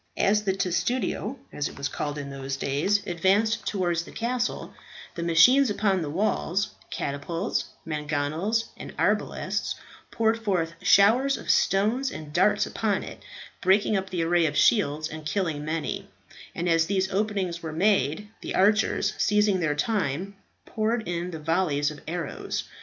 As the testudo, as it was called in those days, advanced towards the castle, the machines upon the walls catapults, mangonels, and arbalasts poured forth showers of stones and darts upon it, breaking up the array of shields and killing many; and as these openings were made, the archers, seizing their time, poured in volleys of arrows.